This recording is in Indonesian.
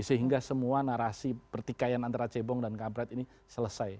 sehingga semua narasi pertikaian antara cebong dan kampret ini selesai